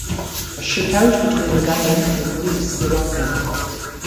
A shootout between the gunmen and police erupted.